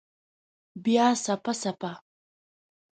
بیا څپه، څپه